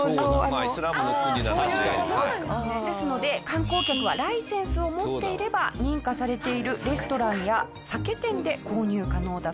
ですので観光客はライセンスを持っていれば認可されているレストランや酒店で購入可能だそうです。